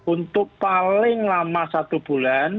untuk paling lama satu bulan